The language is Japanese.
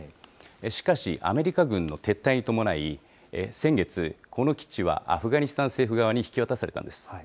しかし、アメリカ軍の撤退に伴い、先月、この基地はアフガニスタン政府側に引き渡されたんです。